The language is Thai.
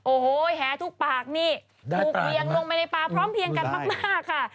โอ้โหแหทุกปากนี่ถูกเวียงลงไปในป่าพร้อมเพียงกันมากค่ะ